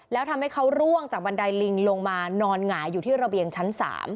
แล้วทำให้เขาร่วงจากบันไดลิงลงมานอนหงายอยู่ที่ระเบียงชั้น๓